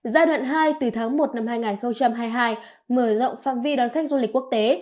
giai đoạn hai từ tháng một năm hai nghìn hai mươi hai mở rộng phạm vi đón khách du lịch quốc tế